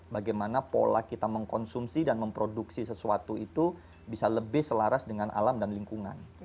bagaimana pola kita mengkonsumsi dan memproduksi sesuatu itu bisa lebih selaras dengan alam dan lingkungan